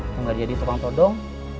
gak ada yang jadi tukang todong